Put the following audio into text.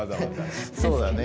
そうだね。